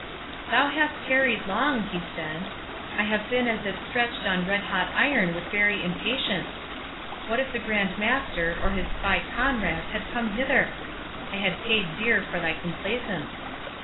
"Thou hast tarried long," he said; "I have been as if stretched on red hot iron with very impatience. What if the Grand Master, or his spy Conrade, had come hither? I had paid dear for my complaisance.